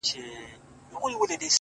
ورته نظمونه ليكم!